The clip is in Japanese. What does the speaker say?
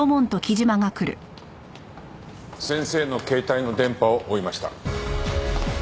先生の携帯の電波を追いました。